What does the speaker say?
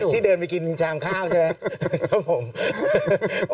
ที่เดินไปกินชามข้าวใช่ไหม